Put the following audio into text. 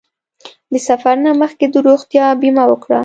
د سفر نه مخکې د روغتیا بیمه وکړه.